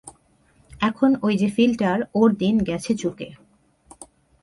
এখন ঐ যে ফিলটার, ওর দিন গেছে চুকে।